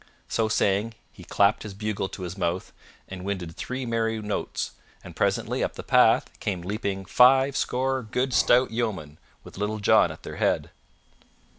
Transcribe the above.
So saying, he clapped his bugle to his mouth and winded three merry notes, and presently up the path came leaping fivescore good stout yeomen with Little John at their head.